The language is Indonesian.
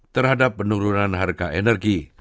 terhadap penurunan harga energi